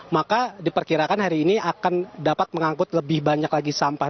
maka diperkirakan hari ini akan dapat mengangkut lebih banyak lagi sampah